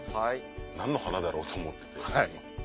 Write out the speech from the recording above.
何の花だろうと思ってて。